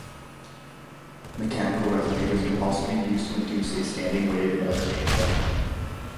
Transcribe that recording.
Mechanical resonators can also be used to induce a standing wave in other media.